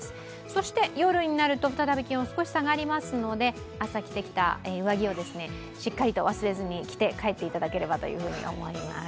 そして夜になると再び気温が下がりますので朝着てきた上着をしっかりと忘れずに着て帰っていただければと思います。